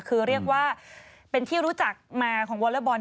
คือเรียกว่าเป็นที่รู้จักมาของวอเลอร์บอล